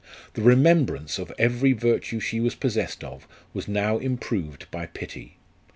The remembrance of every virtue she was possessed of was now improved by pity.